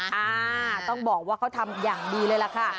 อ่าต้องบอกว่าเขาทำอย่างดีเลยล่ะค่ะ